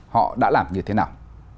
họ đã làm như thế nào